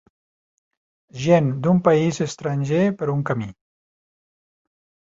Gent d'un país estranger per un camí.